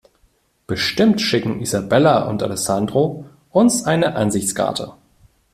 Bestimmt schicken Isabella und Alessandro uns eine Ansichtskarte.